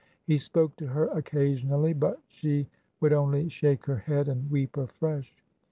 He spoke to her occasionally, but she would only shake her head and weep afresh.